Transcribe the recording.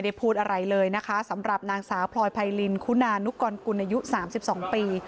พูดอะไรเลยนะคะสำหรับนางสาวพลอยไพรินคุณานุกรกุลอายุ๓๒ปี